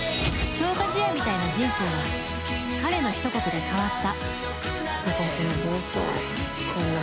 消化試合みたいな人生は彼の一言で変わった。